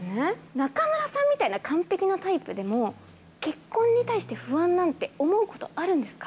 中村さんみたいな完璧なタイプでも、結婚に対して、不安なんて思うことあるんですか？